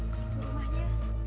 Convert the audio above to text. kang itu rumahnya